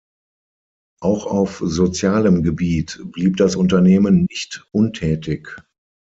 Auch auf sozialem Gebiet blieb das Unternehmen nicht untätig.